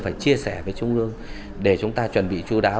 phải chia sẻ với trung ương để chúng ta chuẩn bị chú đáo